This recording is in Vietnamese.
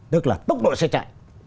tức là tốc độ xe chạy